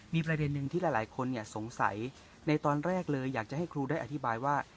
มีประเด็นหนึ่งที่หลายคนสงสัยในตอนแรกเลยอยากจะให้ครูได้อธิบายว่า